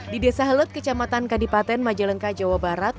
di desa halet kecamatan kadipaten majalengka jawa barat